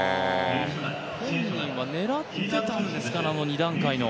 本人は狙ってたんですか、あの２段階の。